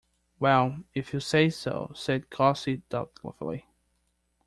"Well, if you say so," said Gussie doubtfully.